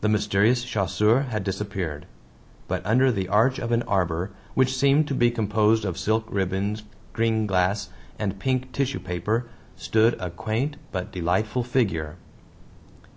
The mysterious chasseur had disappeared. But under the arch of an arbor, which seemed to be composed of silk ribbons, green glass, and pink tissue paper, stood a quaint but delightful figure.